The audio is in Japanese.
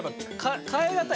代えがたい。